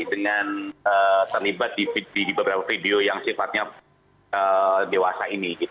dengan terlibat di beberapa video yang sifatnya dewasa ini